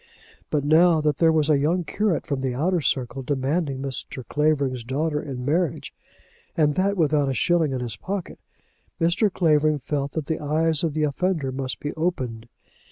But now that there was a young curate from the outer circle demanding Mr. Clavering's daughter in marriage, and that without a shilling in his pocket, Mr. Clavering felt that the eyes of the offender must be opened.